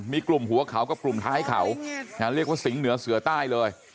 มีกลุ่มหัวเขากับกลุ่มท้ายเขาเรียกว่าสิงห์เหนือเสือใต้เลย